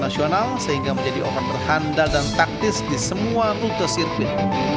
sehingga menjadi orang berhandal dan taktis di semua rute sirkuit